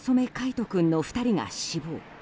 仁君の２人が死亡。